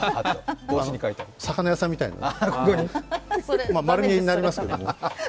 魚屋さんみたいに、丸見えになりますけれども。